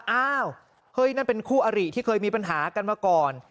อ้าวเฮ้ยนั่นเป็นคู่อริที่เคยมีปัญหากันมาก่อน